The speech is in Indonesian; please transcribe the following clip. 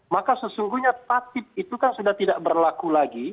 maka sesungguhnya tatib itu kan sudah tidak berlaku lagi